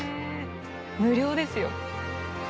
無料ですよ。